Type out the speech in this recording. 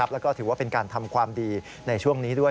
แล้วก็ถือว่าเป็นการทำความดีในช่วงนี้ด้วย